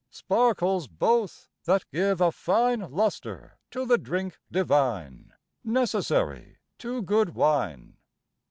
Sparkles both that give a fine Lustre to the drink divine, Necessary to good wine.